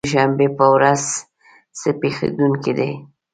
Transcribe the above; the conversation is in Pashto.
د دوشنبې په ورځ څه پېښېدونکي دي؟